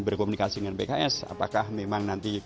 berkomunikasi dengan pks apakah memang nanti